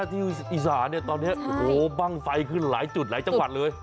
ที่อีสานเนี่ยตอนนี้โอ้โหบ้างไฟขึ้นหลายจุดหลายจังหวัดเลย